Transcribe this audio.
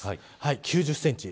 ９０センチ。